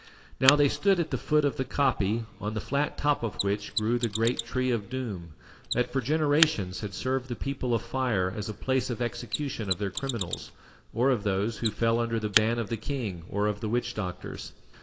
Now they stood at the foot of the koppie, on the flat top of which grew the great Tree of Doom, that for generations had served the People of Fire as a place of execution of their criminals, or of those who fell under the ban of the king or of the witch doctors.